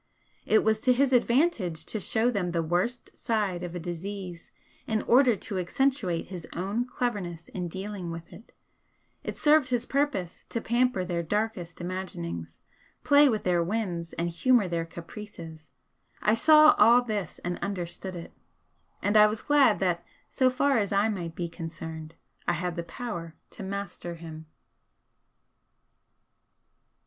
It was to his advantage to show them the worst side of a disease in order to accentuate his own cleverness in dealing with it, it served his purpose to pamper their darkest imaginings, play with their whims and humour their caprices, I saw all this and understood it. And I was glad that so far as I might be concerned, I had the power to master him.